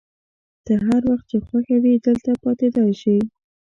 ته هر وخت چي خوښه وي دلته پاتېدای شې.